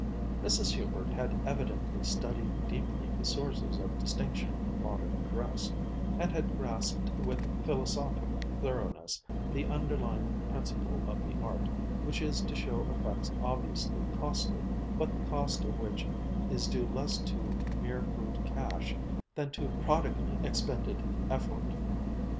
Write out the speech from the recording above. Mrs. Hubert had evidently studied deeply the sources of distinction in modern dress, and had grasped with philosophic thoroughness the underlying principle of the art, which is to show effects obviously costly, but the cost of which is due less to mere brute cash than to prodigally expended effort.